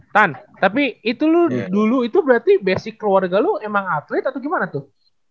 tan tapi itu lu dulu itu berarti basic keluarga lu emang atlet atau gimana tuh